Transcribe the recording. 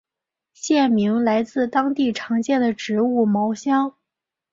县名来自当地常见的植物茅香。